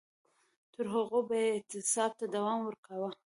تر هغو به یې اعتصاب ته دوام ورکاوه.